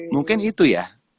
mungkin itu ya